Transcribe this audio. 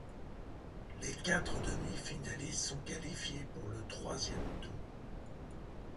Les quatre demi-finalistes sont qualifiés pour le troisième tour.